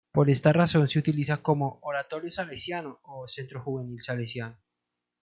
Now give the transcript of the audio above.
Por esta razón se utiliza como ""Oratorio Salesiano"" o ""Centro Juvenil Salesiano"".